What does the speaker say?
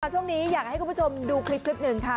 ช่วงนี้อยากให้คุณผู้ชมดูคลิปหนึ่งค่ะ